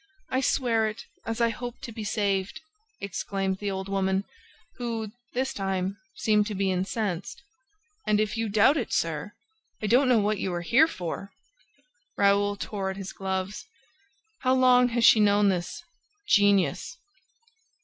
"I swear it, as I hope to be saved!" exclaimed the old woman, who, this time, seemed to be incensed. "And, if you doubt it, sir, I don't know what you are here for!" Raoul tore at his gloves. "How long has she known this 'genius?'"